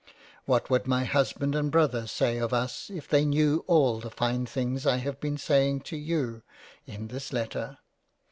What would my Husband and Brother say of us, if they knew all the fine things I have been saying to you in this letter.